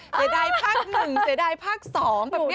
เสียดายภาค๑เสียดายภาค๒แบบนี้